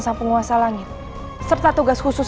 sang penguasa langit serta tugas khusus